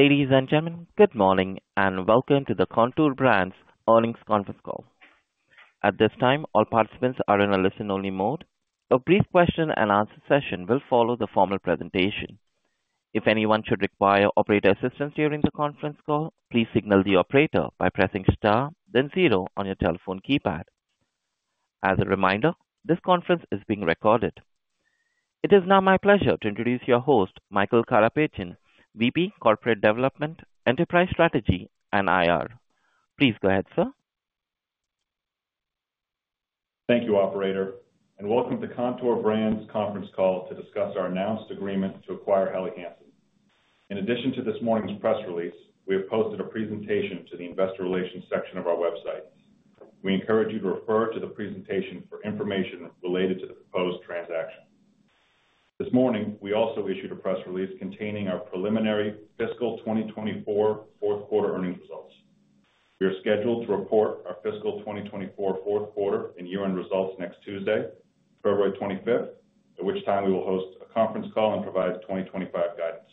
Ladies and gentlemen, good morning and welcome to the Kontoor Brands Earnings Conference Call. At this time, all participants are in a listen-only mode. A brief question-and-answer session will follow the formal presentation. If anyone should require operator assistance during the conference call, please signal the operator by pressing star, then zero on your telephone keypad. As a reminder, this conference is being recorded. It is now my pleasure to introduce your host, Michael Karapetian, VP, Corporate Development, Enterprise Strategy, and IR. Please go ahead, sir. Thank you, Operator, and welcome to Kontoor Brands conference call to discuss our announced agreement to acquire Helly Hansen. In addition to this morning's press release, we have posted a presentation to the investor relations section of our website. We encourage you to refer to the presentation for information related to the proposed transaction. This morning, we also issued a press release containing our Preliminary Fiscal 2024 Fourth Quarter Earnings Results. We are scheduled to report our Fiscal 2024 Fourth Quarter and Year-End Results next Tuesday, February 25th, at which time we will host a conference call and provide 2025 guidance.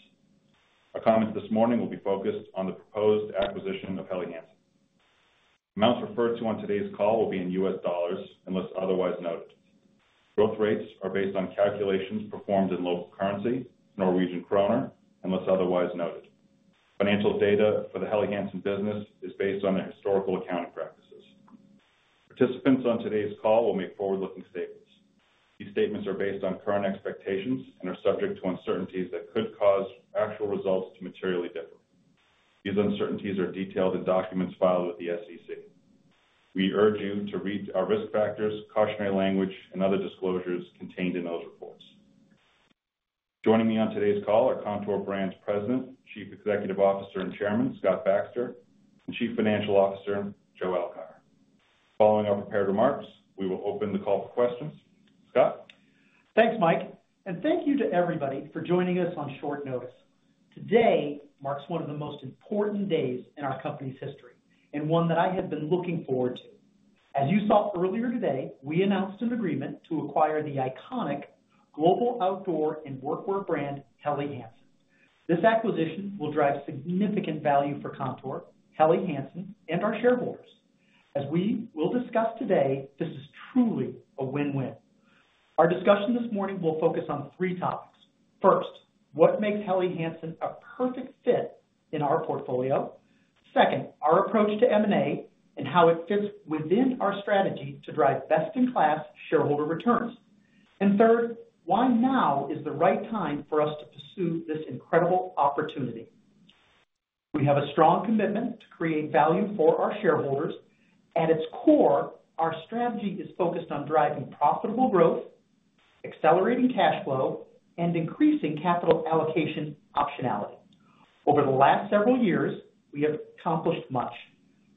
Our comments this morning will be focused on the proposed acquisition of Helly Hansen. Amounts referred to on today's call will be in U.S. dollars unless otherwise noted. Growth rates are based on calculations performed in local currency, Norwegian Kroner, unless otherwise noted. Financial data for the Helly Hansen business is based on their historical accounting practices. Participants on today's call will make forward-looking statements. These statements are based on current expectations and are subject to uncertainties that could cause actual results to materially differ. These uncertainties are detailed in documents filed with the SEC. We urge you to read our risk factors, cautionary language, and other disclosures contained in those reports. Joining me on today's call are Kontoor Brands' President, Chief Executive Officer and Chairman, Scott Baxter, and Chief Financial Officer, Joe Alkire. Following our prepared remarks, we will open the call for questions. Scott. Thanks, Mike, and thank you to everybody for joining us on short notice. Today marks one of the most important days in our company's history and one that I have been looking forward to. As you saw earlier today, we announced an agreement to acquire the iconic global Outdoor and Workwear brand, Helly Hansen. This acquisition will drive significant value for Kontoor, Helly Hansen, and our shareholders. As we will discuss today, this is truly a win-win. Our discussion this morning will focus on three topics. First, what makes Helly Hansen a perfect fit in our portfolio? Second, our approach to M&A and how it fits within our strategy to drive best-in-class shareholder returns. And third, why now is the right time for us to pursue this incredible opportunity? We have a strong commitment to create value for our shareholders. At its core, our strategy is focused on driving profitable growth, accelerating cash flow, and increasing capital allocation optionality. Over the last several years, we have accomplished much.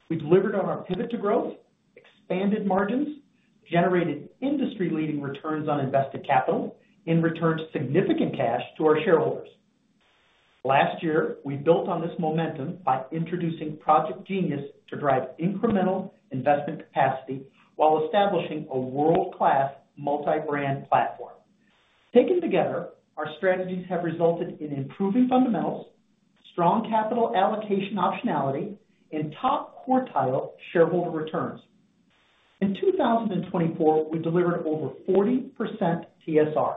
We delivered on our pivot to growth, expanded margins, generated industry-leading returns on invested capital, and returned significant cash to our shareholders. Last year, we built on this momentum by introducing Project Jeanius to drive incremental investment capacity while establishing a world-class multi-brand platform. Taken together, our strategies have resulted in improving fundamentals, strong capital allocation optionality, and top quartile shareholder returns. In 2024, we delivered over 40% TSR.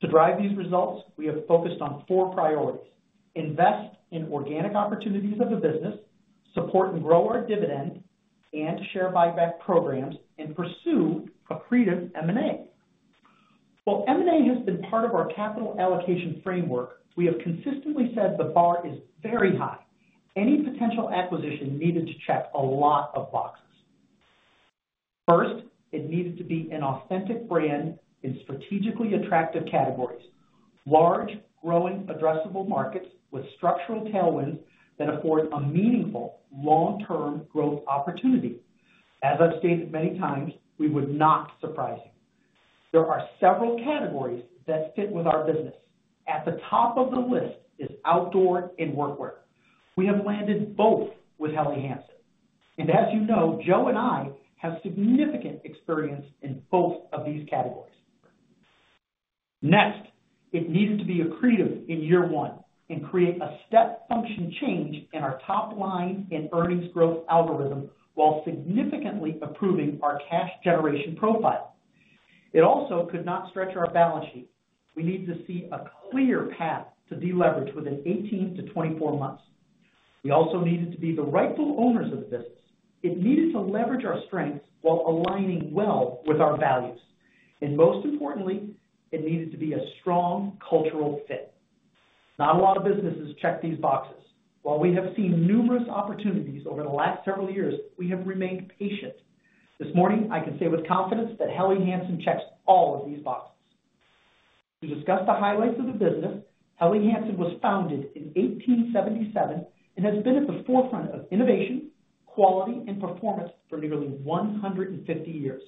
To drive these results, we have focused on four priorities: invest in organic opportunities of the business, support and grow our dividend and share buyback programs, and pursue accretive M&A. While M&A has been part of our capital allocation framework, we have consistently said the bar is very high. Any potential acquisition needed to check a lot of boxes. First, it needed to be an authentic brand in strategically attractive categories: large, growing, addressable markets with structural tailwinds that afford a meaningful long-term growth opportunity. As I've stated many times, we would not surprise you. There are several categories that fit with our business. At the top of the list is Outdoor and Workwear. We have landed both with Helly Hansen. And as you know, Joe and I have significant experience in both of these categories. Next, it needed to be accretive in year one and create a step function change in our top line and earnings growth algorithm while significantly improving our cash-generation profile. It also could not stretch our balance sheet. We need to see a clear path to deleverage within 18 months-24 months. We also needed to be the rightful owners of the business. It needed to leverage our strengths while aligning well with our values. And most importantly, it needed to be a strong cultural fit. Not a lot of businesses check these boxes. While we have seen numerous opportunities over the last several years, we have remained patient. This morning, I can say with confidence that Helly Hansen checks all of these boxes. To discuss the highlights of the business, Helly Hansen was founded in 1877 and has been at the forefront of innovation, quality, and performance for nearly 150 years.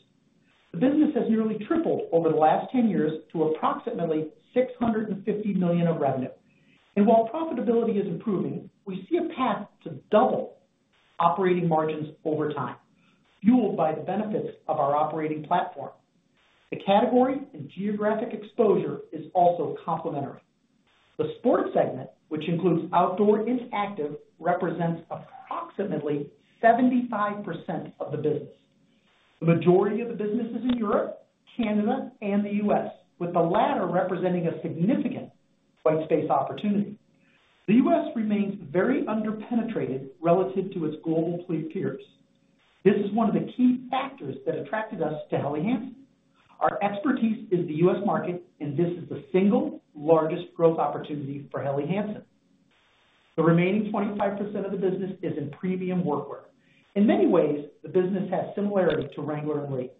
The business has nearly tripled over the last 10 years to approximately $650 million of revenue. And while profitability is improving, we see a path to double operating margins over time, fueled by the benefits of our operating platform. The category and geographic exposure is also complementary. The Sports segment, which includes Outdoor and Active, represents approximately 75% of the business. The majority of the business is in Europe, Canada, and the US, with the latter representing a significant white space opportunity. The US remains very underpenetrated relative to its global peers. This is one of the key factors that attracted us to Helly Hansen. Our expertise is the US market, and this is the single largest growth opportunity for Helly Hansen. The remaining 25% of the business is in premium Workwear. In many ways, the business has similarity to Wrangler and Lee.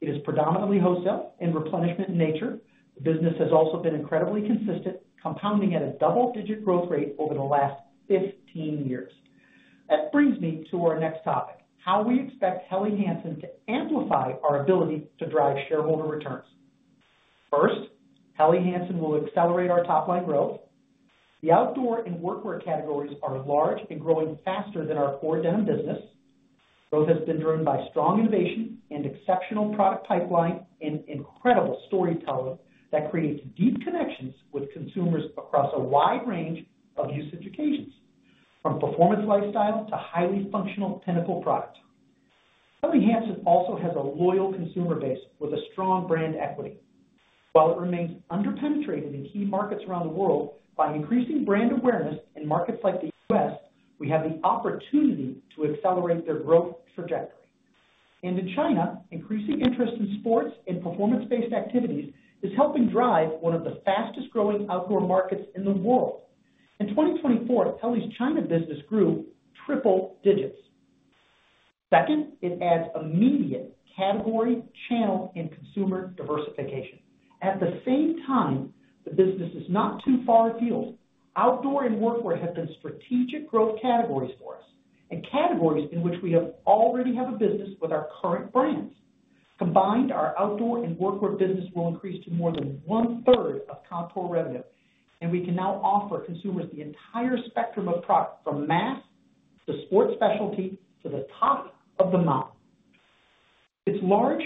It is predominantly wholesale and replenishment in nature. The business has also been incredibly consistent, compounding at a double-digit growth rate over the last 15 years. That brings me to our next topic: how we expect Helly Hansen to amplify our ability to drive shareholder returns. First, Helly Hansen will accelerate our top line growth. The Outdoor and Workwear categories are large and growing faster than our core denim business. Growth has been driven by strong innovation and exceptional product pipeline and incredible storytelling that creates deep connections with consumers across a wide range of usage occasions, from performance lifestyle to highly functional pinnacle products. Helly Hansen also has a loyal consumer base with a strong brand equity. While it remains underpenetrated in key markets around the world, by increasing brand awareness in markets like the U.S., we have the opportunity to accelerate their growth trajectory. And in China, increasing interest in sports and performance-based activities is helping drive one of the fastest-growing outdoor markets in the world. In 2024, Helly Hansen's China business grew triple digits. Second, it adds immediate category, channel, and consumer diversification. At the same time, the business is not too far afield. Outdoor and Workwear have been strategic growth categories for us and categories in which we already have a business with our current brands. Combined, our Outdoor and Workwear business will increase to more than one-third of Kontoor revenue, and we can now offer consumers the entire spectrum of product from mass to sports specialty to the top of the mountain. Its large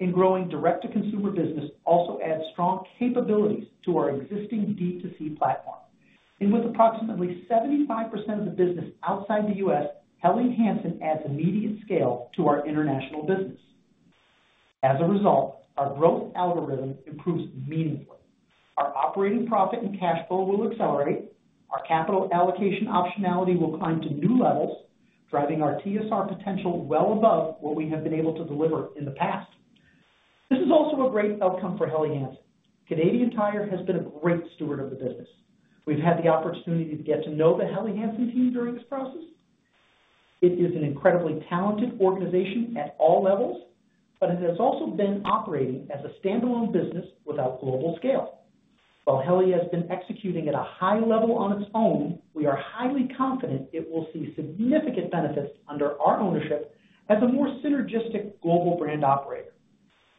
and growing direct-to-consumer business also adds strong capabilities to our existing D2C platform. And with approximately 75% of the business outside the U.S., Helly Hansen adds immediate scale to our international business. As a result, our growth algorithm improves meaningfully. Our operating profit and cash flow will accelerate. Our capital allocation optionality will climb to new levels, driving our TSR potential well above what we have been able to deliver in the past. This is also a great outcome for Helly Hansen. Canadian Tire has been a great steward of the business. We've had the opportunity to get to know the Helly Hansen team during this process. It is an incredibly talented organization at all levels, but it has also been operating as a standalone business without global scale. While Helly Hansen has been executing at a high level on its own, we are highly confident it will see significant benefits under our ownership as a more synergistic global brand operator.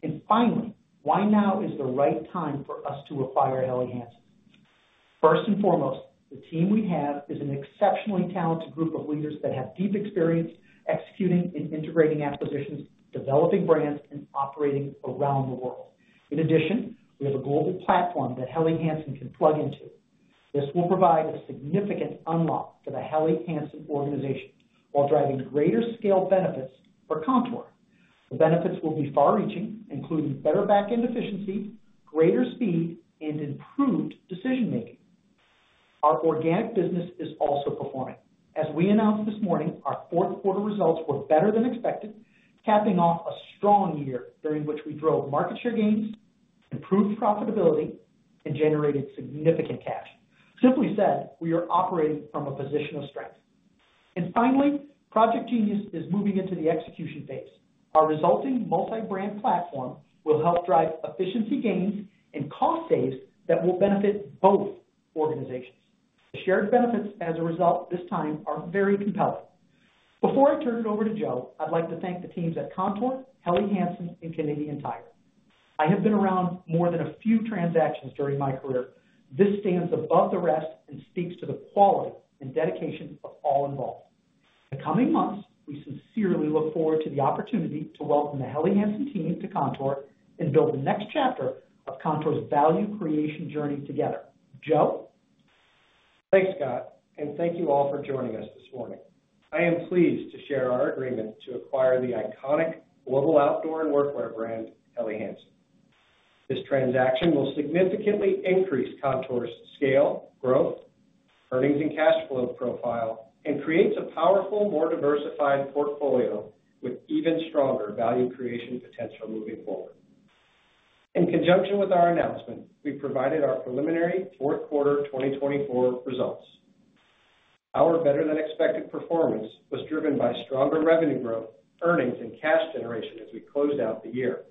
And finally, why now is the right time for us to acquire Helly Hansen? First and foremost, the team we have is an exceptionally talented group of leaders that have deep experience executing and integrating acquisitions, developing brands, and operating around the world. In addition, we have a global platform that Helly Hansen can plug into. This will provide a significant unlock for the Helly Hansen organization while driving greater scale benefits for Kontoor. The benefits will be far-reaching, including better back-end efficiency, greater speed, and improved decision-making. Our organic business is also performing. As we announced this morning, our fourth quarter results were better than expected, capping off a strong year during which we drove market share gains, improved profitability, and generated significant cash. Simply said, we are operating from a position of strength. And finally, Project Jeanius is moving into the execution phase. Our resulting multi-brand platform will help drive efficiency gains and cost savings that will benefit both organizations. The shared benefits as a result this time are very compelling. Before I turn it over to Joe, I'd like to thank the teams at Kontoor, Helly Hansen, and Canadian Tire. I have been around more than a few transactions during my career. This stands above the rest and speaks to the quality and dedication of all involved. In the coming months, we sincerely look forward to the opportunity to welcome the Helly Hansen team to Kontoor and build the next chapter of Kontoor's value creation journey together. Joe? Thanks, Scott, and thank you all for joining us this morning. I am pleased to share our agreement to acquire the iconic global Outdoor and Workwear brand, Helly Hansen. This transaction will significantly increase Kontoor's scale, growth, earnings, and cash flow profile and create a powerful, more diversified portfolio with even stronger value creation potential moving forward. In conjunction with our announcement, we provided our preliminary fourth quarter 2024 results. Our better-than-expected performance was driven by stronger revenue growth, earnings, and cash generation as we closed out the year.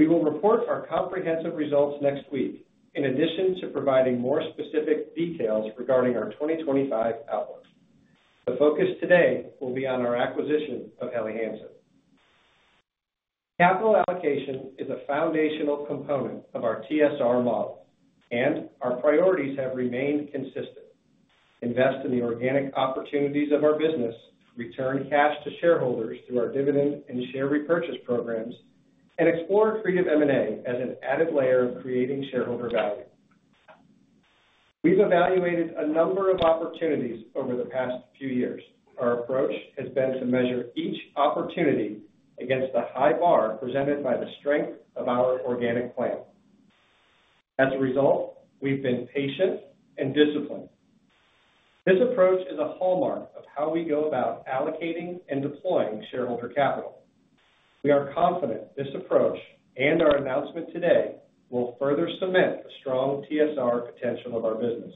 We will report our comprehensive results next week, in addition to providing more specific details regarding our 2025 outlook. The focus today will be on our acquisition of Helly Hansen. Capital allocation is a foundational component of our TSR model, and our priorities have remained consistent. Invest in the organic opportunities of our business, return cash to shareholders through our dividend and share repurchase programs, and explore accretive M&A as an added layer of creating shareholder value. We've evaluated a number of opportunities over the past few years. Our approach has been to measure each opportunity against the high bar presented by the strength of our organic plan. As a result, we've been patient and disciplined. This approach is a hallmark of how we go about allocating and deploying shareholder capital. We are confident this approach and our announcement today will further cement the strong TSR potential of our business.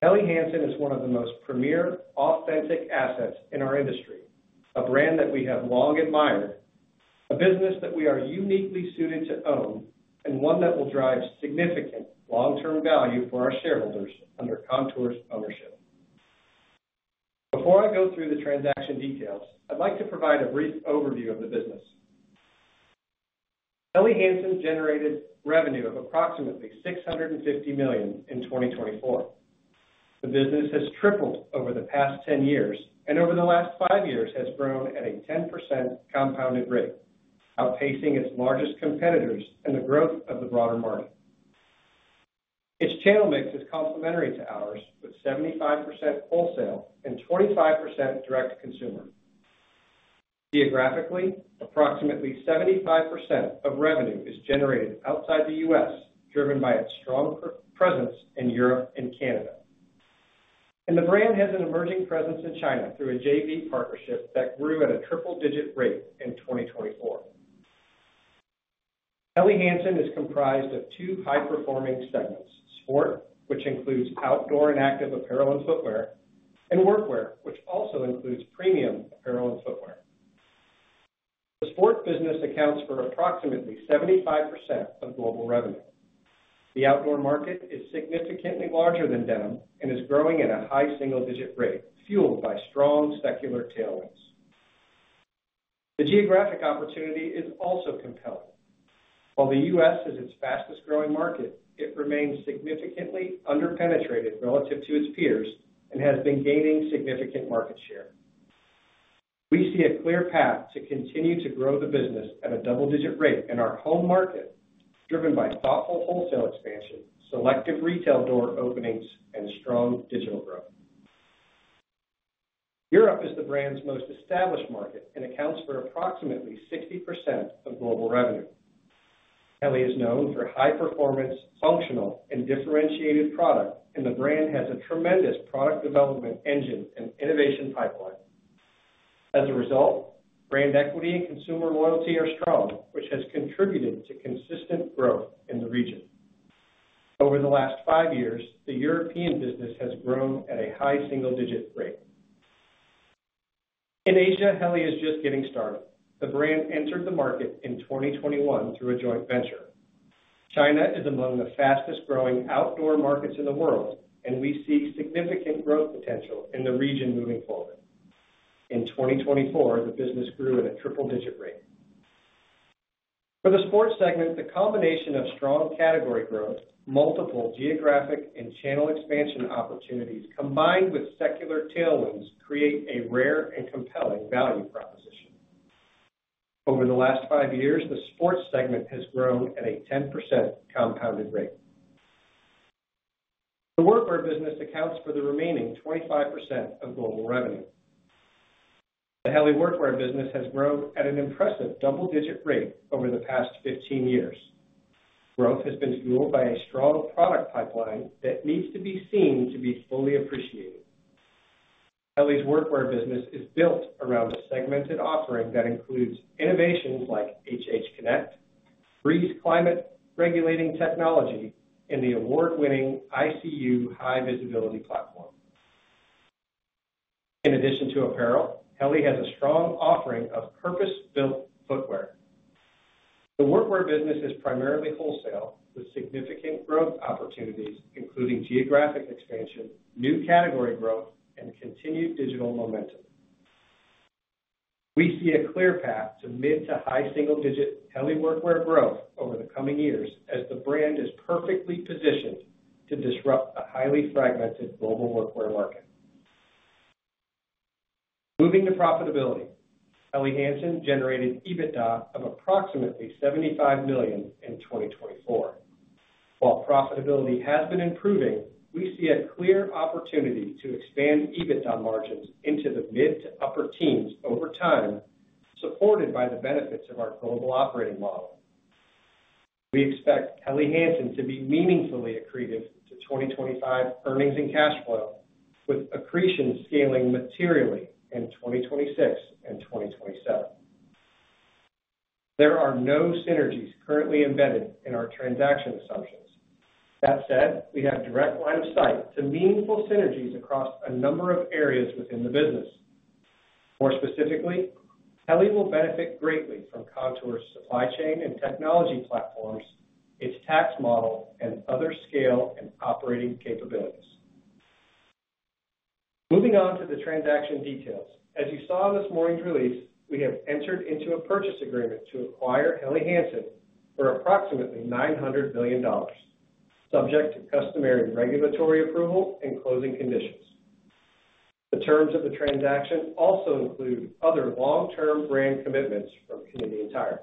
Helly Hansen is one of the most premier, authentic assets in our industry, a brand that we have long admired, a business that we are uniquely suited to own, and one that will drive significant long-term value for our shareholders under Kontoor's ownership. Before I go through the transaction details, I'd like to provide a brief overview of the business. Helly Hansen generated revenue of approximately $650 million in 2024. The business has tripled over the past 10 years and over the last five years has grown at a 10% compounded rate, outpacing its largest competitors and the growth of the broader market. Its channel mix is complementary to ours, with 75% wholesale and 25% direct-to-consumer. Geographically, approximately 75% of revenue is generated outside the U.S., driven by its strong presence in Europe and Canada. And the brand has an emerging presence in China through a JV partnership that grew at a triple-digit rate in 2024. Helly Hansen is comprised of two high-performing segments: Sport, which includes Outdoor and Active Apparel and Footwear, and Workwear, which also includes premium apparel and footwear. The sport business accounts for approximately 75% of global revenue. The outdoor market is significantly larger than denim and is growing at a high single-digit rate, fueled by strong secular tailwinds. The geographic opportunity is also compelling. While the U.S. is its fastest-growing market, it remains significantly underpenetrated relative to its peers and has been gaining significant market share. We see a clear path to continue to grow the business at a double-digit rate in our home market, driven by thoughtful wholesale expansion, selective retail door openings, and strong digital growth. Europe is the brand's most established market and accounts for approximately 60% of global revenue. Helly is known for high-performance, functional, and differentiated products, and the brand has a tremendous product development engine and innovation pipeline. As a result, brand equity and consumer loyalty are strong, which has contributed to consistent growth in the region. Over the last five years, the European business has grown at a high single-digit rate. In Asia, Helly is just getting started. The brand entered the market in 2021 through a joint venture. China is among the fastest-growing outdoor markets in the world, and we see significant growth potential in the region moving forward. In 2024, the business grew at a triple-digit rate. For the sports segment, the combination of strong category growth, multiple geographic and channel expansion opportunities, combined with secular tailwinds, creates a rare and compelling value proposition. Over the last five years, the sports segment has grown at a 10% compounded rate. The Workwear business accounts for the remaining 25% of global revenue. The Helly Workwear business has grown at an impressive double-digit rate over the past 15 years. Growth has been fueled by a strong product pipeline that needs to be seen to be fully appreciated. Helly's Workwear business is built around a segmented offering that includes innovations like HH CONNECT, BRZ climate-regulating technology, and the award-winning ICU high-visibility platform. In addition to apparel, Helly has a strong offering of purpose-built footwear. The Workwear business is primarily wholesale, with significant growth opportunities, including geographic expansion, new category growth, and continued digital momentum. We see a clear path to mid- to high single-digit Helly Workwear growth over the coming years as the brand is perfectly positioned to disrupt a highly fragmented global workwear market. Moving to profitability, Helly Hansen generated EBITDA of approximately $75 million in 2024. While profitability has been improving, we see a clear opportunity to expand EBITDA margins into the mid- to upper teens over time, supported by the benefits of our global operating model. We expect Helly Hansen to be meaningfully accretive to 2025 earnings and cash flow, with accretion scaling materially in 2026 and 2027. There are no synergies currently embedded in our transaction assumptions. That said, we have direct line of sight to meaningful synergies across a number of areas within the business. More specifically, Helly will benefit greatly from Kontoor's supply chain and technology platforms, its tax model, and other scale and operating capabilities. Moving on to the transaction details. As you saw in this morning's release, we have entered into a purchase agreement to acquire Helly Hansen for approximately $900 million, subject to customary regulatory approval and closing conditions. The terms of the transaction also include other long-term brand commitments from Canadian Tire.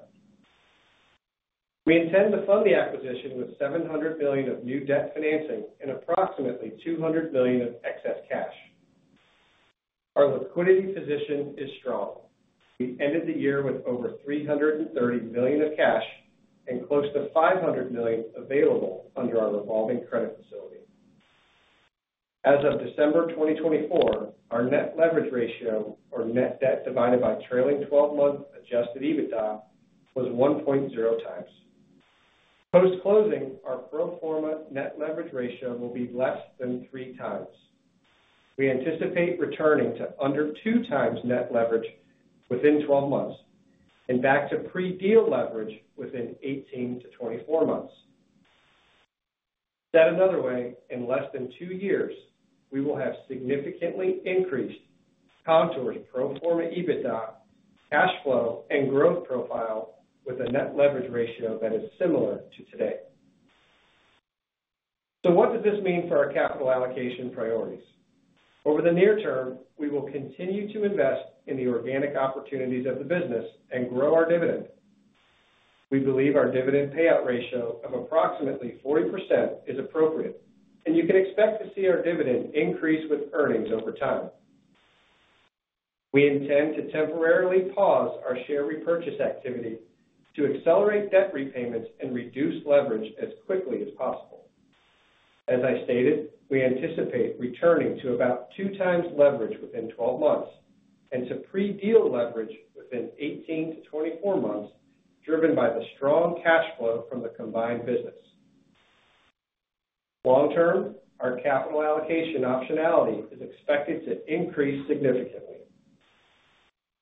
We intend to fund the acquisition with $700 million of new debt financing and approximately $200 million of excess cash. Our liquidity position is strong. We ended the year with over $330 million of cash and close to $500 million available under our revolving credit facility. As of December 2024, our net leverage ratio, or net debt divided by trailing 12-month adjusted EBITDA, was 1.0 times. Post-closing, our pro forma net leverage ratio will be less than three times. We anticipate returning to under two times net leverage within 12 months and back to pre-deal leverage within 18 months-24 months. Said another way, in less than two years, we will have significantly increased Kontoor's pro forma EBITDA, cash flow, and growth profile with a net leverage ratio that is similar to today. So what does this mean for our capital allocation priorities? Over the near term, we will continue to invest in the organic opportunities of the business and grow our dividend. We believe our dividend payout ratio of approximately 40% is appropriate, and you can expect to see our dividend increase with earnings over time. We intend to temporarily pause our share repurchase activity to accelerate debt repayments and reduce leverage as quickly as possible. As I stated, we anticipate returning to about two times leverage within 12 months and to pre-deal leverage within 18 months-24 months, driven by the strong cash flow from the combined business. Long term, our capital allocation optionality is expected to increase significantly.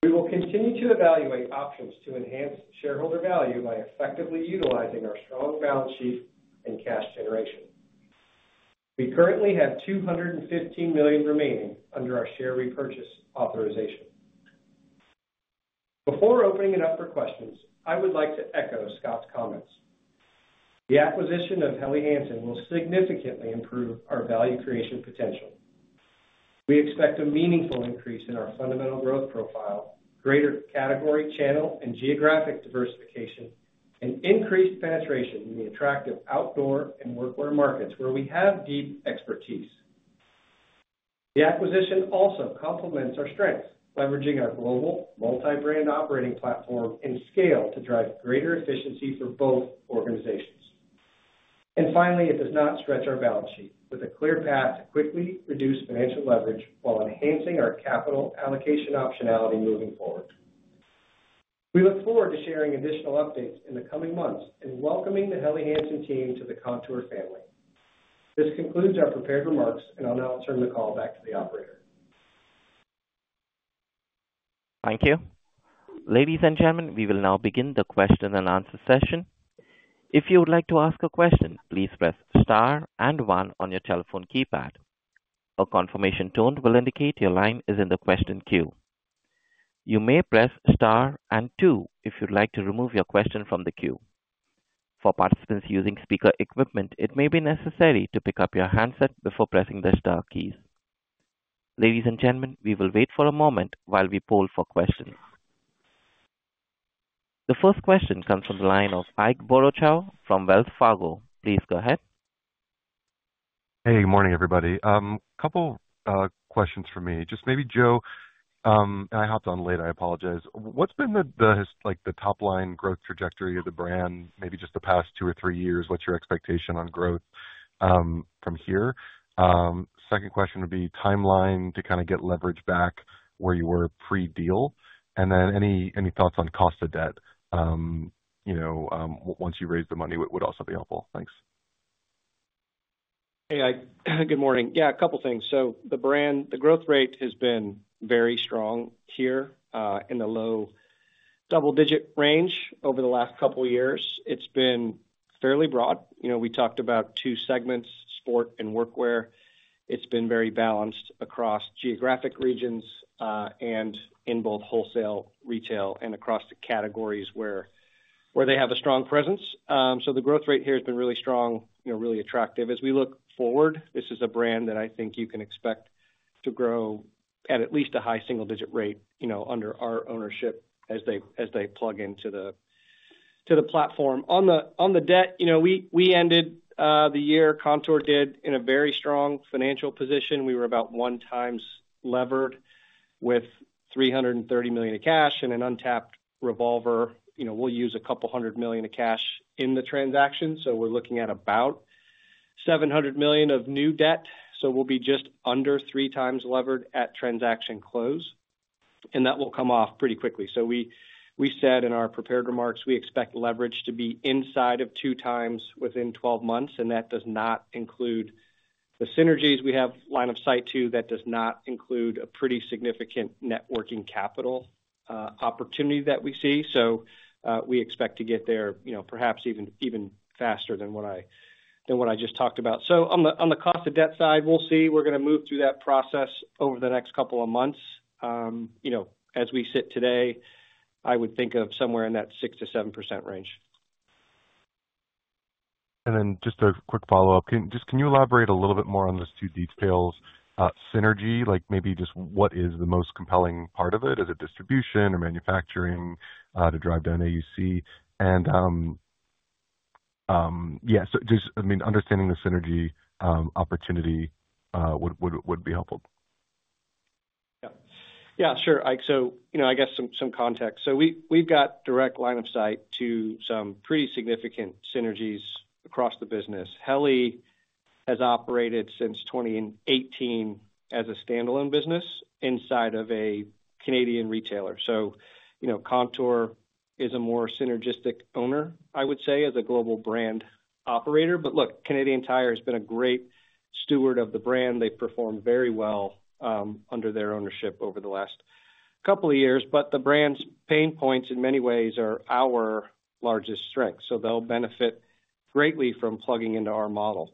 We will continue to evaluate options to enhance shareholder value by effectively utilizing our strong balance sheet and cash generation. We currently have $215 million remaining under our share repurchase authorization. Before opening it up for questions, I would like to echo Scott's comments. The acquisition of Helly Hansen will significantly improve our value creation potential. We expect a meaningful increase in our fundamental growth profile, greater category channel, and geographic diversification, and increased penetration in the attractive Outdoor and Workwear markets where we have deep expertise. The acquisition also complements our strengths, leveraging our global multi-brand operating platform and scale to drive greater efficiency for both organizations. And finally, it does not stretch our balance sheet with a clear path to quickly reduce financial leverage while enhancing our capital allocation optionality moving forward. We look forward to sharing additional updates in the coming months and welcoming the Helly Hansen team to the Kontoor family. This concludes our prepared remarks, and I'll now turn the call back to the Operator. Thank you. Ladies and gentlemen, we will now begin the question-and-answer session. If you would like to ask a question, please press star and one on your telephone keypad. A confirmation tone will indicate your line is in the question queue. You may press star and two if you'd like to remove your question from the queue. For participants using speaker equipment, it may be necessary to pick up your handset before pressing the star key. Ladies and gentlemen, we will wait for a moment while we poll for questions. The first question comes from the line of Ike Boruchow from Wells Fargo. Please go ahead. Hey, good morning, everybody. A couple of questions for me. Just maybe, Joe, I hopped on late. I apologize. What's been the top-line growth trajectory of the brand, maybe just the past two or three years? What's your expectation on growth from here? Second question would be timeline to kind of get leverage back where you were pre-deal? And then any thoughts on cost of debt once you raise the money would also be helpful. Thanks. Hey, good morning. Yeah, a couple of things. The brand, the growth rate has been very strong here in the low double-digit range over the last couple of years. It's been fairly broad. We talked about two segments, Sport and Workwear. It's been very balanced across geographic regions and in both wholesale, retail, and across the categories where they have a strong presence. The growth rate here has been really strong, really attractive as we look forward. This is a brand that I think you can expect to grow at least a high single-digit rate under our ownership as they plug into the platform. On the debt, we ended the year, Kontoor did, in a very strong financial position. We were about one times levered with $330 million of cash and an untapped revolver. We'll use $200 million of cash in the transaction. So we're looking at about $700 million of new debt. We'll be just under three times levered at transaction close. That will come off pretty quickly. We said in our prepared remarks, we expect leverage to be inside of two times within 12 months. That does not include the synergies we have line of sight to. That does not include a pretty significant net working capital opportunity that we see. We expect to get there perhaps even faster than what I just talked about. On the cost of debt side, we'll see. We're going to move through that process over the next couple of months. As we sit today, I would think of somewhere in that 6%-7% range. And then just a quick follow-up. Just can you elaborate a little bit more on those two details? Synergy, maybe just what is the most compelling part of it? Is it distribution or manufacturing to drive down AUC? And yeah, so just understanding the synergy opportunity would be helpful. Yeah. Yeah, sure. So I guess some context. So we've got direct line of sight to some pretty significant synergies across the business. Helly has operated since 2018 as a standalone business inside of a Canadian retailer. So Kontoor is a more synergistic owner, I would say, as a global brand operator. But look, Canadian Tire has been a great steward of the brand. They've performed very well under their ownership over the last couple of years. But the brand's pain points in many ways are our largest strength. So they'll benefit greatly from plugging into our model.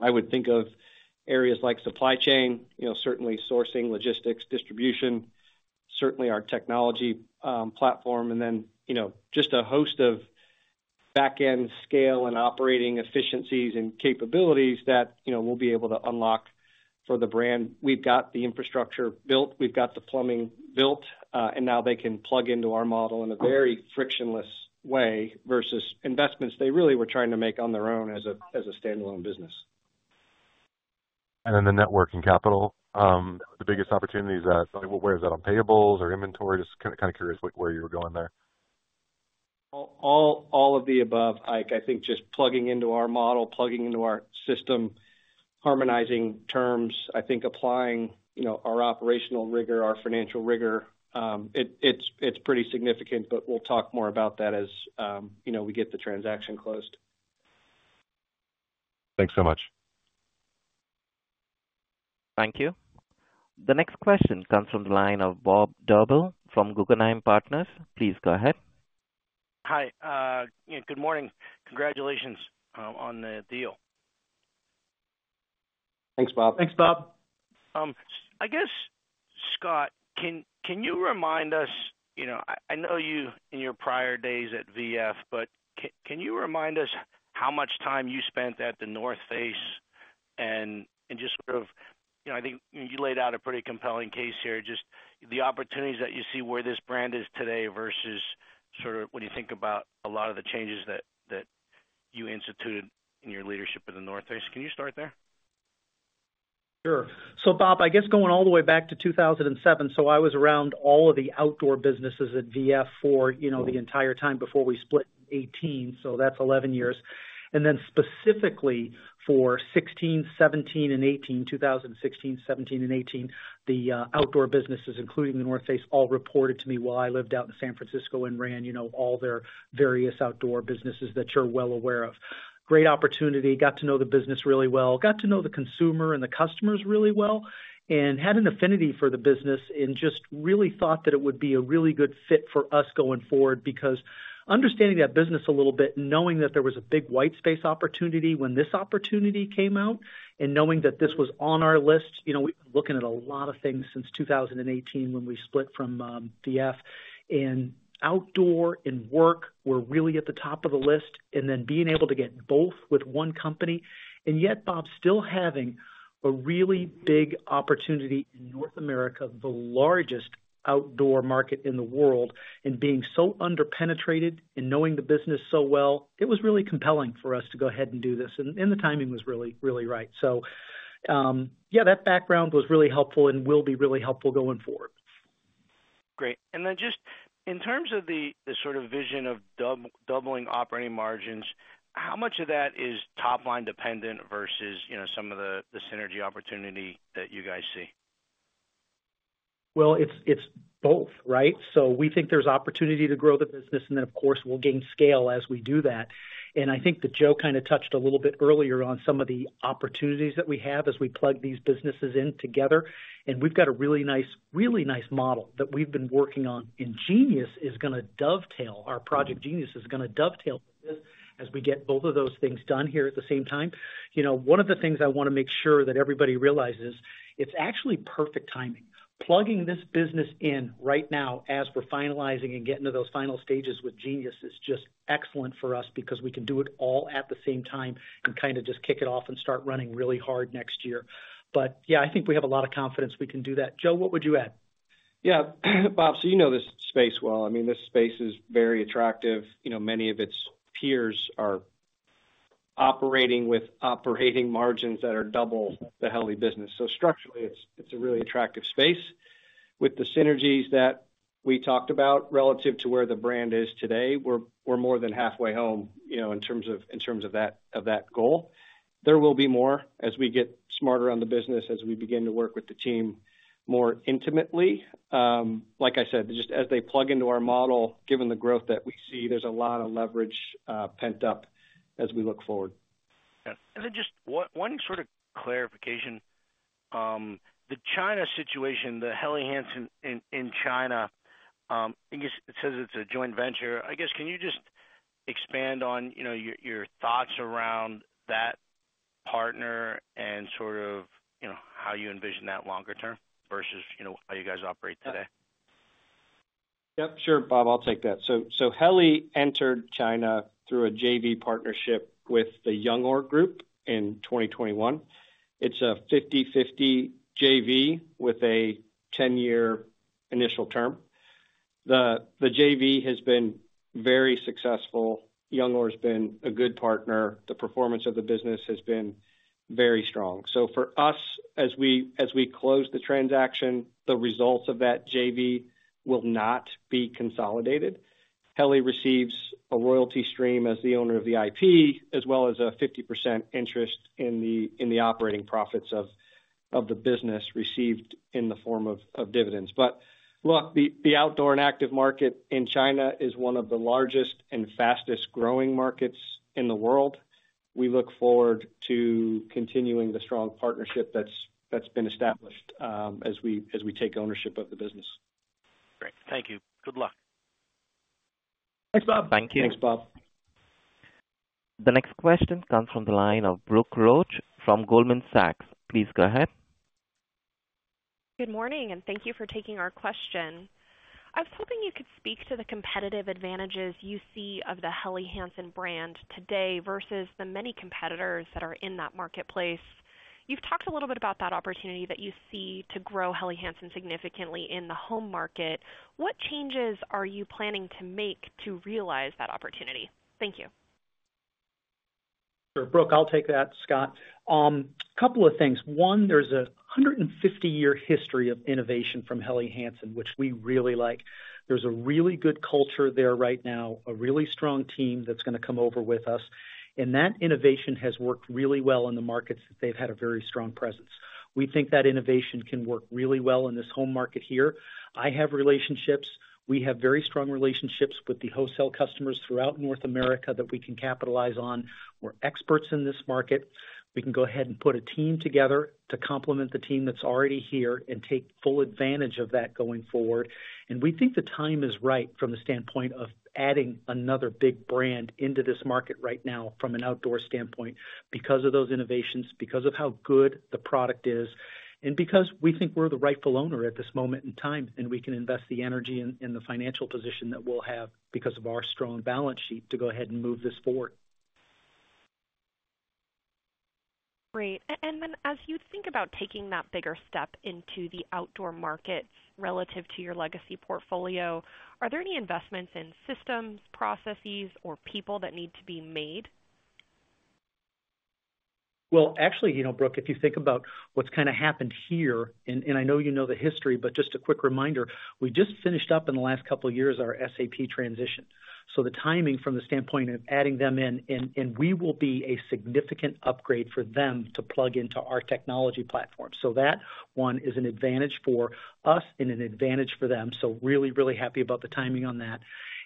I would think of areas like supply chain, certainly sourcing, logistics, distribution, certainly our technology platform, and then just a host of back-end scale and operating efficiencies and capabilities that we'll be able to unlock for the brand. We've got the infrastructure built. We've got the plumbing built. Now they can plug into our model in a very frictionless way versus investments they really were trying to make on their own as a standalone business. And then the net working capital, the biggest opportunity is that. Where is that on payables or inventory? Just kind of curious where you were going there. All of the above, I think, just plugging into our model, plugging into our system, harmonizing terms, I think applying our operational rigor, our financial rigor, it's pretty significant, but we'll talk more about that as we get the transaction closed. Thanks so much. Thank you. The next question comes from the line of Bob Drbul from Guggenheim Partners. Please go ahead. Hi. Good morning. Congratulations on the deal. Thanks, Bob. I guess, Scott, can you remind us? I know you in your prior days at VF, but can you remind us how much time you spent at The North Face and just sort of, I think you laid out a pretty compelling case here, just the opportunities that you see where this brand is today versus sort of when you think about a lot of the changes that you instituted in your leadership at The North Face. Can you start there? Sure. So Bob, I guess going all the way back to 2007, so I was around all of the outdoor businesses at VF for the entire time before we split in 2018. So that's 11 years. And then specifically for 2016, 2017, and 2018, the Outdoor businesses, including The North Face, all reported to me while I lived out in San Francisco and ran all their various Outdoor businesses that you're well aware of. Great opportunity, got to know the business really well, got to know the consumer and the customers really well, and had an affinity for the business and just really thought that it would be a really good fit for us going forward because understanding that business a little bit, knowing that there was a big white space opportunity when this opportunity came out, and knowing that this was on our list. We've been looking at a lot of things since 2018 when we split from VF, and Outdoor and Work were really at the top of the list, and then being able to get both with one company. And yet, Bob, still having a really big opportunity in North America, the largest outdoor market in the world, and being so underpenetrated. And knowing the business so well, it was really compelling for us to go ahead and do this. And the timing was really, really right. So yeah, that background was really helpful and will be really helpful going forward. Great. And then just in terms of the sort of vision of doubling operating margins, how much of that is top-line dependent versus some of the synergy opportunity that you guys see? It's both, right? We think there's opportunity to grow the business, and then, of course, we'll gain scale as we do that. I think that Joe kind of touched a little bit earlier on some of the opportunities that we have as we plug these businesses in together. We've got a really nice, really nice model that we've been working on, and Jeanius is going to dovetail. Our Project Jeanius is going to dovetail this as we get both of those things done here at the same time. One of the things I want to make sure that everybody realizes is it's actually perfect timing. Plugging this business in right now as we're finalizing and getting to those final stages with Jeanius is just excellent for us because we can do it all at the same time and kind of just kick it off and start running really hard next year, but yeah, I think we have a lot of confidence we can do that. Joe, what would you add? Yeah, Bob, so you know this space well. I mean, this space is very attractive. Many of its peers are operating with operating margins that are double the Helly business. So structurally, it's a really attractive space. With the synergies that we talked about relative to where the brand is today, we're more than halfway home in terms of that goal. There will be more as we get smarter on the business, as we begin to work with the team more intimately. Like I said, just as they plug into our model, given the growth that we see, there's a lot of leverage pent up as we look forward. Then just one sort of clarification. The China situation, the Helly Hansen in China, I guess it says it's a joint venture. I guess can you just expand on your thoughts around that partner and sort of how you envision that longer term versus how you guys operate today? Yep. Sure, Bob, I'll take that. So Helly Hansen entered China through a JV partnership with the Youngor Group in 2021. It's a 50/50 JV with a 10-year initial term. The JV has been very successful. Youngor has been a good partner. The performance of the business has been very strong. So for us, as we close the transaction, the results of that JV will not be consolidated. Helly receives a royalty stream as the owner of the IP, as well as a 50% interest in the operating profits of the business received in the form of dividends. But look, the outdoor and active market in China is one of the largest and fastest-growing markets in the world. We look forward to continuing the strong partnership that's been established as we take ownership of the business. Great. Thank you. Good luck. Thanks, Bob. Thank you. Thanks, Bob. The next question comes from the line of Brooke Roach from Goldman Sachs. Please go ahead. Good morning, and thank you for taking our question. I was hoping you could speak to the competitive advantages you see of the Helly Hansen brand today versus the many competitors that are in that marketplace. You've talked a little bit about that opportunity that you see to grow Helly Hansen significantly in the home market. What changes are you planning to make to realize that opportunity? Thank you. Sure. Brooke, I'll take that. Scott. A couple of things. One, there's a 150-year history of innovation from Helly Hansen, which we really like. There's a really good culture there right now, a really strong team that's going to come over with us, and that innovation has worked really well in the markets that they've had a very strong presence. We think that innovation can work really well in this home market here. I have relationships. We have very strong relationships with the wholesale customers throughout North America that we can capitalize on. We're experts in this market. We can go ahead and put a team together to complement the team that's already here and take full advantage of that going forward. We think the time is right from the standpoint of adding another big brand into this market right now from an Outdoor standpoint because of those innovations, because of how good the product is, and because we think we're the rightful owner at this moment in time, and we can invest the energy and the financial position that we'll have because of our strong balance sheet to go ahead and move this forward. Great. And then as you think about taking that bigger step into the Outdoor market relative to your legacy portfolio, are there any investments in systems, processes, or people that need to be made? Well, actually, Brooke, if you think about what's kind of happened here, and I know you know the history, but just a quick reminder, we just finished up in the last couple of years our SAP transition. So the timing from the standpoint of adding them in, and we will be a significant upgrade for them to plug into our technology platform. So that, one, is an advantage for us and an advantage for them. So really, really happy about the timing on that.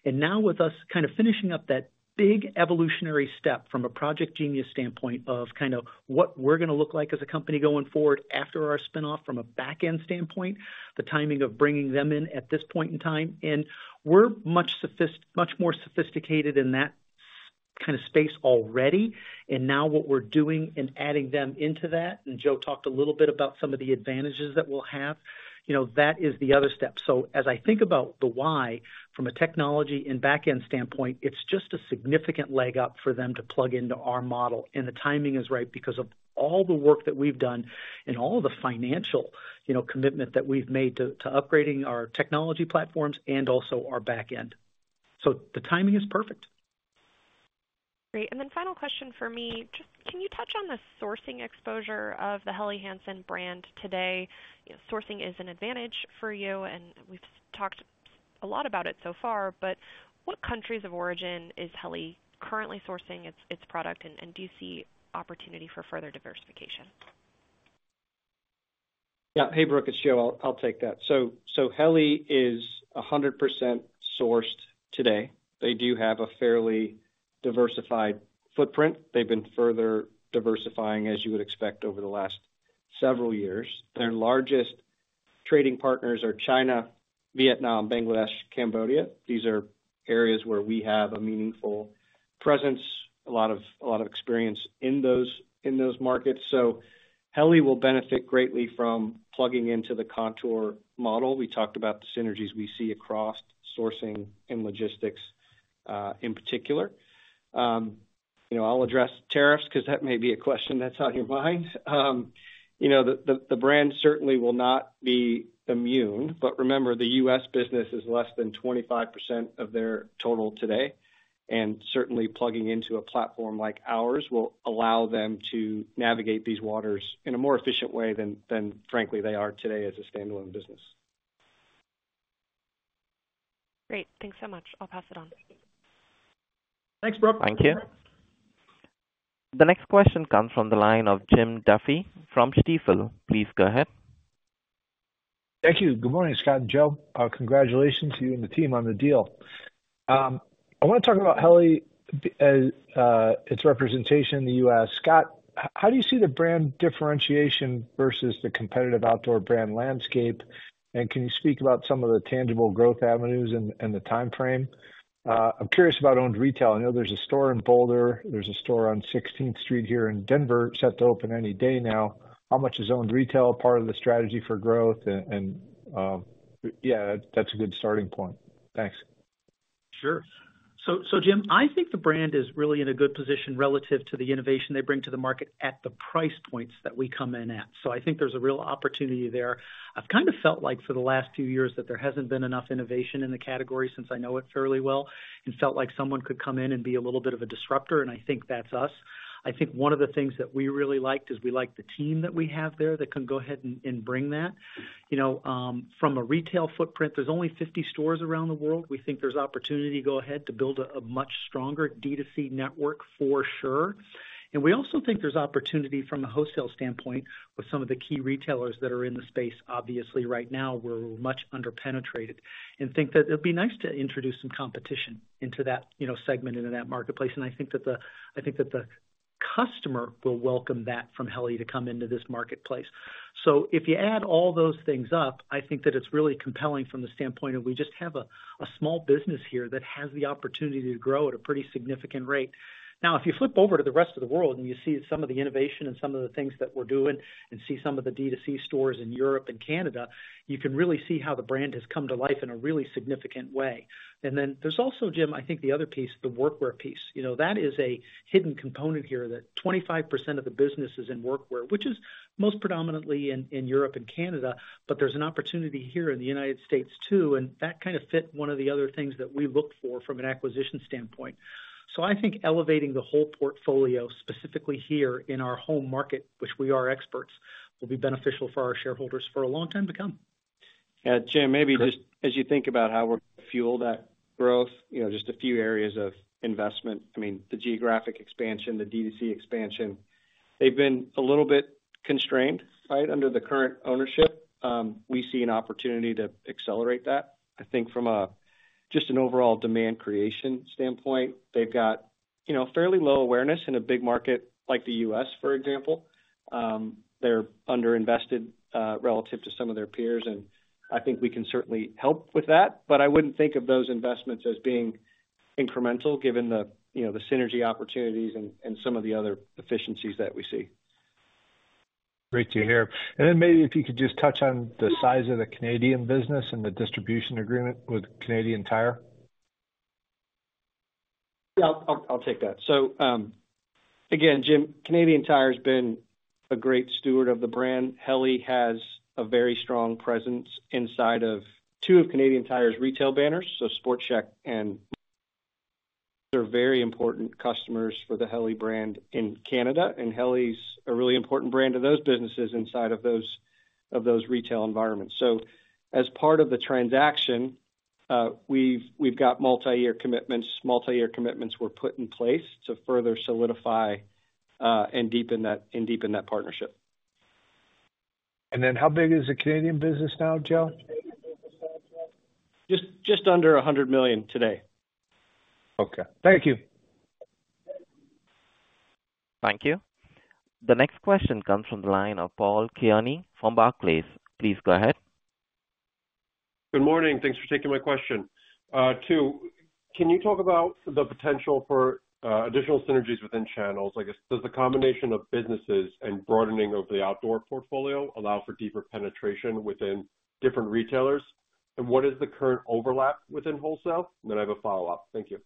And now with us kind of finishing up that big evolutionary step from a Project Jeanius standpoint of kind of what we're going to look like as a company going forward after our spinoff from a back-end standpoint, the timing of bringing them in at this point in time. And we're much more sophisticated in that kind of space already. And now what we're doing and adding them into that, and Joe talked a little bit about some of the advantages that we'll have, that is the other step. So as I think about the why from a technology and back-end standpoint, it's just a significant leg up for them to plug into our model. And the timing is right because of all the work that we've done and all the financial commitment that we've made to upgrading our technology platforms and also our back-end. So the timing is perfect. Great. And then final question for me. Just can you touch on the sourcing exposure of the Helly Hansen brand today? Sourcing is an advantage for you, and we've talked a lot about it so far, but what countries of origin is Helly Hansen currently sourcing its product, and do you see opportunity for further diversification? Yeah. Hey, Brooke. It's Joe, I'll take that. So Helly Hansen is 100% sourced today. They do have a fairly diversified footprint. They've been further diversifying, as you would expect, over the last several years. Their largest trading partners are China, Vietnam, Bangladesh, Cambodia. These are areas where we have a meaningful presence, a lot of experience in those markets. So Helly Hansen will benefit greatly from plugging into the Kontoor model. We talked about the synergies we see across sourcing and logistics in particular. I'll address tariffs because that may be a question that's on your mind. The brand certainly will not be immune, but remember, the U.S. business is less than 25% of their total today. And certainly, plugging into a platform like ours will allow them to navigate these waters in a more efficient way than, frankly, they are today as a standalone business. Great. Thanks so much. I'll pass it on. Thanks, Brooke. Thank you. The next question comes from the line of Jim Duffy from Stifel. Please go ahead. Thank you. Good morning, Scott and Joe. Congratulations to you and the team on the deal. I want to talk about Helly, its representation in the U.S. Scott, how do you see the brand differentiation versus the competitive outdoor brand landscape? And can you speak about some of the tangible growth avenues and the timeframe? I'm curious about owned retail. I know there's a store in Boulder. There's a store on 16th Street here in Denver set to open any day now. How much is owned retail part of the strategy for growth? And yeah, that's a good starting point. Thanks. Sure. So Jim, I think the brand is really in a good position relative to the innovation they bring to the market at the price points that we come in at. So I think there's a real opportunity there. I've kind of felt like for the last few years that there hasn't been enough innovation in the category since I know it fairly well and felt like someone could come in and be a little bit of a disruptor. And I think that's us. I think one of the things that we really liked is we like the team that we have there that can go ahead and bring that. From a retail footprint, there's only 50 stores around the world. We think there's opportunity to go ahead to build a much stronger D2C network for sure. And we also think there's opportunity from a wholesale standpoint with some of the key retailers that are in the space, obviously, right now where we're much underpenetrated and think that it'd be nice to introduce some competition into that segment, into that marketplace. And I think that the customer will welcome that from Helly to come into this marketplace. So if you add all those things up, I think that it's really compelling from the standpoint of we just have a small business here that has the opportunity to grow at a pretty significant rate. Now, if you flip over to the rest of the world and you see some of the innovation and some of the things that we're doing and see some of the D2C stores in Europe and Canada, you can really see how the brand has come to life in a really significant way. And then there's also, Jim, I think the other piece, the Workwear piece. That is a hidden component here that 25% of the business is in Workwear, which is most predominantly in Europe and Canada, but there's an opportunity here in the United States too. And that kind of fit one of the other things that we look for from an acquisition standpoint. So I think elevating the whole portfolio specifically here in our home market, which we are experts, will be beneficial for our shareholders for a long time to come. Yeah. Jim, maybe just as you think about how we're going to fuel that growth, just a few areas of investment. I mean, the geographic expansion, the D2C expansion, they've been a little bit constrained, right, under the current ownership. We see an opportunity to accelerate that. I think from just an overall demand creation standpoint, they've got fairly low awareness in a big market like the U.S., for example. They're underinvested relative to some of their peers. And I think we can certainly help with that. But I wouldn't think of those investments as being incremental given the synergy opportunities and some of the other efficiencies that we see. Great to hear. And then maybe if you could just touch on the size of the Canadian business and the distribution agreement with Canadian Tire. Yeah, I'll take that. So again, Jim, Canadian Tire has been a great steward of the brand. Helly has a very strong presence inside of two of Canadian Tire's retail banners. So SportChek and Mark's are very important customers for the Helly brand in Canada. And Helly Hansen is a really important brand to those businesses inside of those retail environments. So as part of the transaction, we've got multi-year commitments. Multi-year commitments were put in place to further solidify and deepen that partnership. And then how big is the Canadian business now, Joe? Just under $100 million today. Okay.Thank you. Thank you. The next question comes from the line of Paul Kearney from Barclays. Please go ahead. Good morning. Thanks for taking my question. Two, can you talk about the potential for additional synergies within channels? I guess does the combination of businesses and broadening of the Outdoor portfolio allow for deeper penetration within different retailers? And what is the current overlap within wholesale? And then I have a follow-up. Thank you.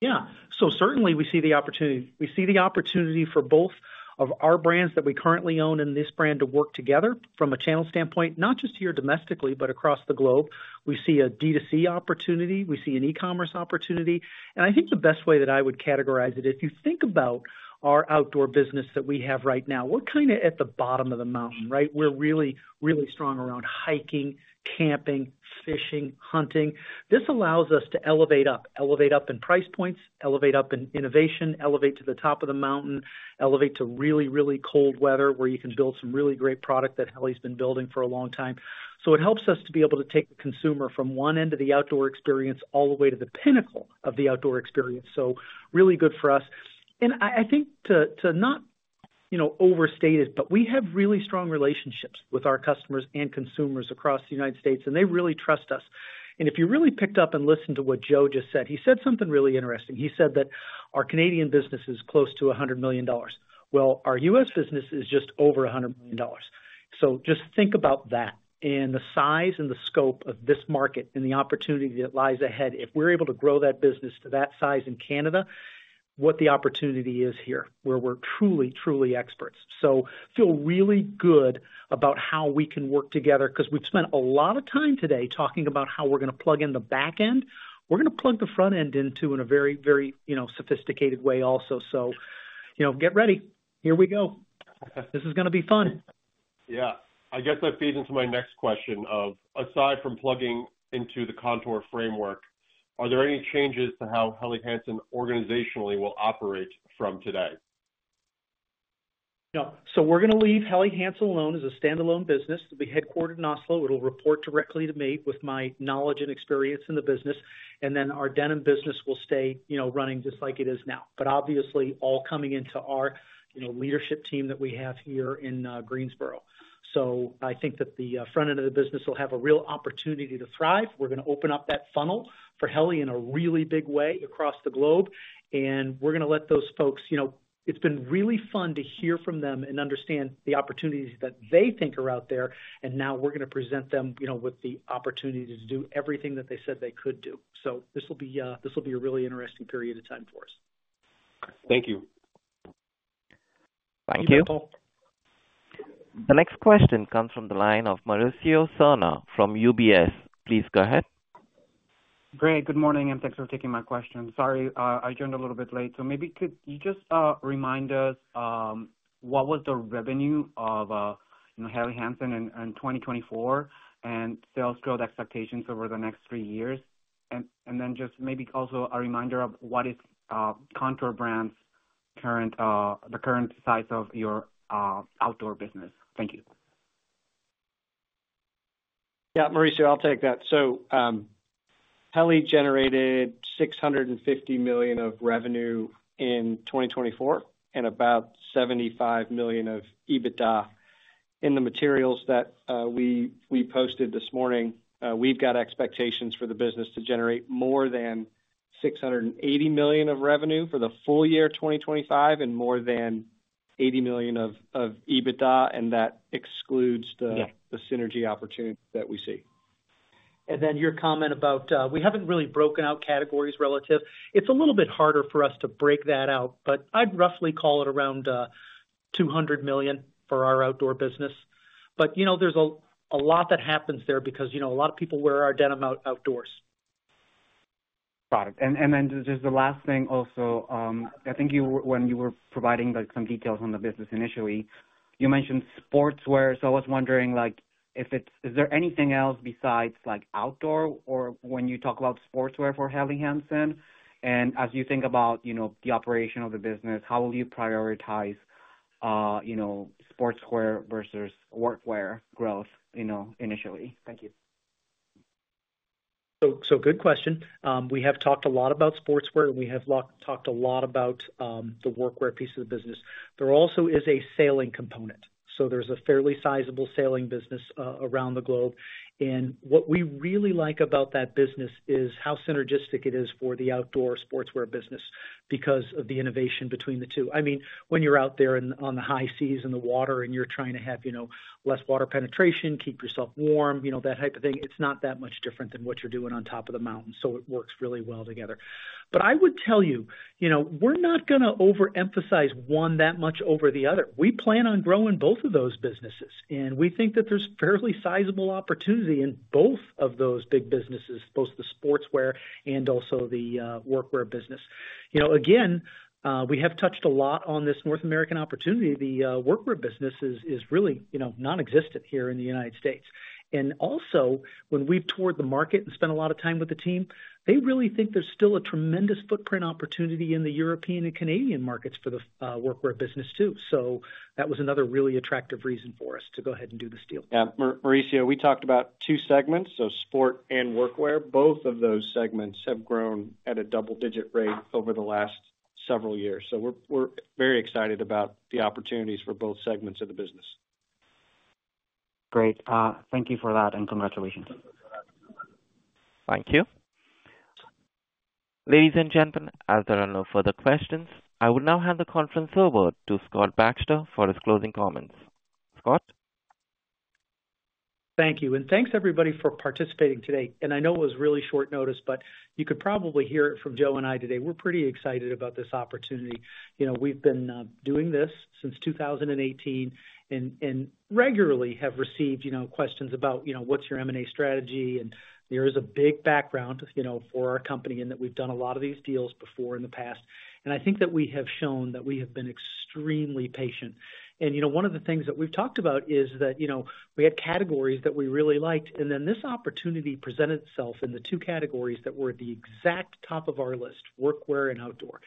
Yeah. So certainly, we see the opportunity for both of our brands that we currently own and this brand to work together from a channel standpoint, not just here domestically, but across the globe. We see a D2C opportunity. We see an e-commerce opportunity. And I think the best way that I would categorize it is if you think about our outdoor business that we have right now, we're kind of at the bottom of the mountain, right? We're really, really strong around hiking, camping, fishing, hunting. This allows us to elevate up, elevate up in price points, elevate up in innovation, elevate to the top of the mountain, elevate to really, really cold weather where you can build some really great product that Helly Hansen has been building for a long time. It helps us to be able to take the consumer from one end of the outdoor experience all the way to the pinnacle of the outdoor experience. So really good for us. And I think to not overstate it, but we have really strong relationships with our customers and consumers across the United States, and they really trust us. And if you really picked up and listened to what Joe just said, he said something really interesting. He said that our Canadian business is close to $100 million. Well, our U.S. business is just over $100 million. So just think about that and the size and the scope of this market and the opportunity that lies ahead. If we're able to grow that business to that size in Canada, what the opportunity is here where we're truly, truly experts. So feel really good about how we can work together because we've spent a lot of time today talking about how we're going to plug in the back end. We're going to plug the front end into a very, very sophisticated way also. So get ready. Here we go. This is going to be fun. Yeah. I guess that feeds into my next question of, aside from plugging into the Kontoor framework, are there any changes to how Helly Hansen organizationally will operate from today? Yeah. So we're going to leave Helly Hansen alone as a standalone business. It'll be headquartered in Oslo. It'll report directly to me with my knowledge and experience in the business. And then our Denim business will stay running just like it is now, but obviously all coming into our leadership team that we have here in Greensboro. So I think that the front end of the business will have a real opportunity to thrive. We're going to open up that funnel for Helly in a really big way across the globe. And we're going to let those folks. It's been really fun to hear from them and understand the opportunities that they think are out there. And now we're going to present them with the opportunity to do everything that they said they could do. So this will be a really interesting period of time for us. Thank you. Thank you. The next question comes from the line of Mauricio Serna from UBS. Please go ahead. Great. Good morning, and thanks for taking my question. Sorry, I joined a little bit late. So maybe could you just remind us what was the revenue of Helly Hansen in 2024 and sales growth expectations over the next three years? And then just maybe also a reminder of what is Kontoor Brands' current size of your Outdoor business? Thank you. Yeah, Mauricio, I'll take that. So Helly Hansen generated $650 million of revenue in 2024 and about $75 million of EBITDA. In the materials that we posted this morning, we've got expectations for the business to generate more than $680 million of revenue for the full-year 2025 and more than $80 million of EBITDA. And that excludes the synergy opportunity that we see. Then your comment about we haven't really broken out categories relative. It's a little bit harder for us to break that out, but I'd roughly call it around $200 million for our Outdoor business. There's a lot that happens there because a lot of people wear our denim outdoors. Got it. And then just the last thing also, I think when you were providing some details on the business initially, you mentioned Sportswear. So I was wondering if there's anything else besides Outdoor or when you talk about Sportswear for Helly Hansen. And as you think about the operation of the business, how will you prioritize Sportswear versus Workwear growth initially? Thank you. So good question. We have talked a lot about Sportswear, and we have talked a lot about the Workwear piece of the business. There also is a Sailing component. So there's a fairly sizable Sailing business around the globe. And what we really like about that business is how synergistic it is for the Outdoor Sportswear business because of the innovation between the two. I mean, when you're out there on the high seas and the water and you're trying to have less water penetration, keep yourself warm, that type of thing, it's not that much different than what you're doing on top of the mountain. So it works really well together. But I would tell you, we're not going to overemphasize one that much over the other. We plan on growing both of those businesses. And we think that there's fairly sizable opportunity in both of those big businesses, both the Sportswear and also the Workwear business. Again, we have touched a lot on this North American opportunity. The Workwear business is really nonexistent here in the United States. And also, when we've toured the market and spent a lot of time with the team, they really think there's still a tremendous footprint opportunity in the European and Canadian markets for the Workwear business too. So that was another really attractive reason for us to go ahead and do this deal. Yeah. Mauricio, we talked about two segments, so Sport and Workwear. Both of those segments have grown at a double-digit rate over the last several years. So we're very excited about the opportunities for both segments of the business. Great. Thank you for that, and congratulations. Thank you. Ladies and gentlemen, as there are no further questions, I will now hand the conference over to Scott Baxter for his closing comments. Scott? Thank you. And thanks, everybody, for participating today. And I know it was really short notice, but you could probably hear it from Joe and I today. We're pretty excited about this opportunity. We've been doing this since 2018 and regularly have received questions about what's your M&A strategy. And there is a big background for our company in that we've done a lot of these deals before in the past. And I think that we have shown that we have been extremely patient. And one of the things that we've talked about is that we had categories that we really liked. And then this opportunity presented itself in the two categories that were at the exact top of our list, Workwear and Outdoor.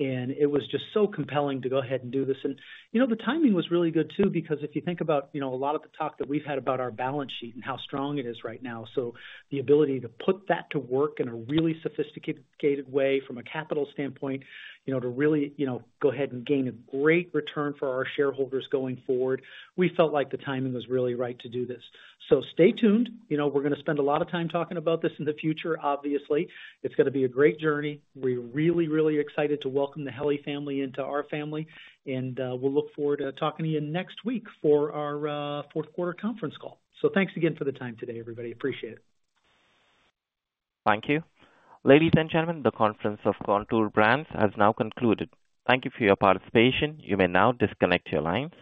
And it was just so compelling to go ahead and do this. And the timing was really good too because if you think about a lot of the talk that we've had about our balance sheet and how strong it is right now. So the ability to put that to work in a really sophisticated way from a capital standpoint to really go ahead and gain a great return for our shareholders going forward, we felt like the timing was really right to do this. So stay tuned. We're going to spend a lot of time talking about this in the future, obviously. It's going to be a great journey. We're really, really excited to welcome the Helly family into our family. And we'll look forward to talking to you next week for our fourth quarter conference call. So thanks again for the time today, everybody. Appreciate it. Thank you. Ladies and gentlemen, the conference of Kontoor Brands has now concluded. Thank you for your participation. You may now disconnect your lines.